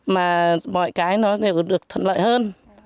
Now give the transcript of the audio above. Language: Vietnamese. mà mọi cái nó đều được thuận lợi hơn